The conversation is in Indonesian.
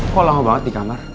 kok lama banget di kamar